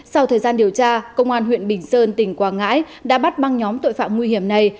sau thời gian điều tra công an huyện bình sơn tỉnh quảng ngãi đã bắt băng nhóm tội phạm nguy hiểm này